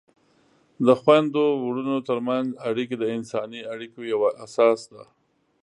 د خویندو ورونو ترمنځ اړیکې د انساني اړیکو یوه اساس ده.